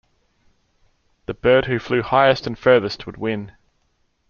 The bird who flew highest and furthest would win.